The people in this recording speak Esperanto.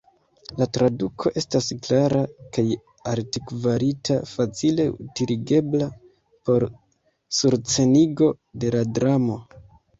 La traduko estas klara kaj altkvalita, facile utiligebla por surscenigo de la dramo.